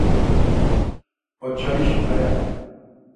Oçalişi aya!